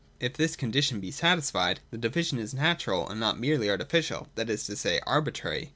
If this condition be satisfied, the division is natural and not merely artificial, that is to say, arbitrary.